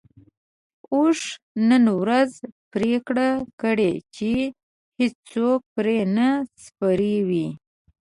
اوښ نن ورځ پرېکړه کړې چې هيڅوک پرې نه سپروي.